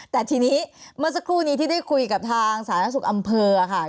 แต่ทีนี้เมื่อสักครู่นี้ที่ได้คุยกับทางสาธารณสุขอำเภอค่ะ